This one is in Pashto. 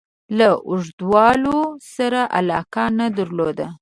له اوږدولو سره علاقه نه درلوده.